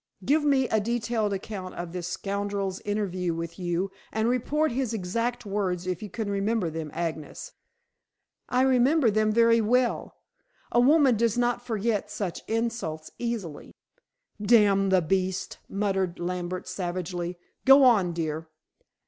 "Give me a detailed account of this scoundrel's interview with you, and report his exact words if you can remember them, Agnes." "I remember them very well. A woman does not forget such insults easily." "Damn the beast!" muttered Lambert savagely. "Go on, dear."